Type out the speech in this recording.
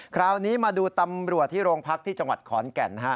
คราวนี้มาดูตำรวจที่โรงพักที่จังหวัดขอนแก่น